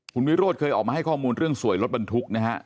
คุณวิโรธเคยออกมาให้ข้อมูลเรื่องสวยรถบรรทุกนะฮะ